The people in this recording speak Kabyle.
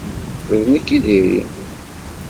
D nekk i diri.